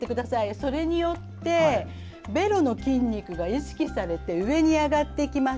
それによってベロの筋肉が意識されて上に上がっていきます。